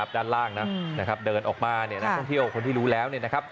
ด้านล่างนะครับเดินออกมานักท่องเที่ยวคนที่รู้แล้ว